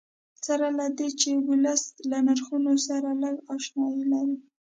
سره له دې چې ولس له نرخونو سره لږ اشنایي لري.